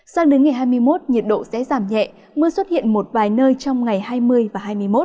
sang đến ngày hai mươi một nhiệt độ sẽ giảm nhẹ mưa xuất hiện một vài nơi trong ngày hai mươi và hai mươi một